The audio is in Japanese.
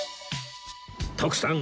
徳さん